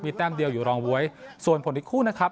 แต้มเดียวอยู่รองบ๊วยส่วนผลอีกคู่นะครับ